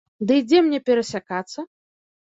Ды і дзе мне перасякацца?